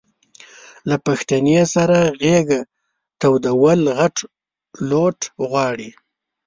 له پښتنې سره غېږه تودول غټ لوټ غواړي.